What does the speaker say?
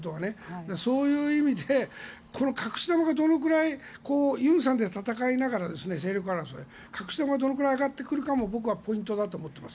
そういう意味でこの隠し玉がどのくらいユンさんと闘いながら隠し玉どのくらい上がってくるかもポイントだと思っています。